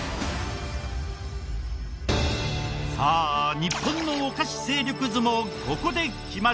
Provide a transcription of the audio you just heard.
さあ日本のお菓子勢力図もここで決まる。